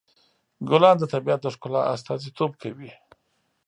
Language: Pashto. ګلان د طبیعت د ښکلا استازیتوب کوي.